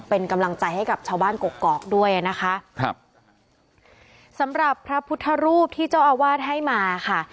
เป็นกำลังใจให้กับชาวบ้านกกอกด้วยนะคะครับสำหรับพระพุทธรูปที่เจ้าอาวาสให้มาค่ะ